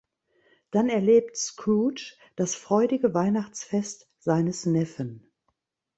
Dann erlebt Scrooge das freudige Weihnachtsfest seines Neffen.